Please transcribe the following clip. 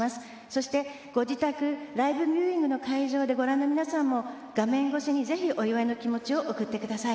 そしてご自宅ライブビューイングの会場でご覧の皆さんも画面越しにぜひお祝いの気持ちを送ってください」